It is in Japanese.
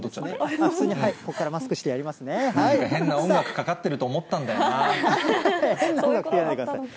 普通にここからマスクしてやりま変な音楽かかってると思った変な音楽って言わないでください。